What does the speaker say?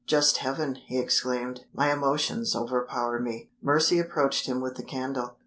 "Just Heaven!" he exclaimed. "My emotions overpower me!" Mercy approached him with the candle.